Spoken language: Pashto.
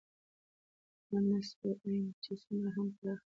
دحكومت نصب العين چې څومره هم پراخ كړى سي